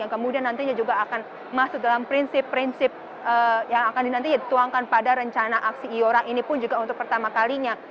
yang kemudian nantinya juga akan masuk dalam prinsip prinsip yang akan dinanti dituangkan pada rencana aksi iora ini pun juga untuk pertama kalinya